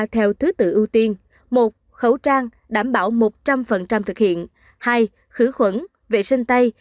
theo thứ tự ưu tiên một khẩu trang đảm bảo một trăm linh thực hiện hai khử khuẩn vệ sinh tay